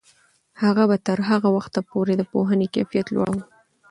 موږ به تر هغه وخته پورې د پوهنې کیفیت لوړوو.